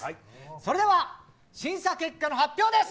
それでは審査結果の発表です。